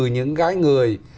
những cái người